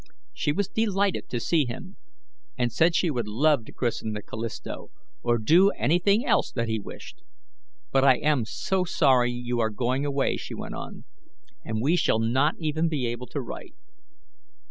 She was delighted to see him, and said she would love to christen the Callisto or do anything else that he wished. "But I am so sorry you are going away," she went on. "I hate to lose you for so long, and we shall not even be able to write."